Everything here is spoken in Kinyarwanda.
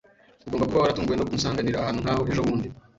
Ugomba kuba waratunguwe no kunsanganira ahantu nkaho ejobundi.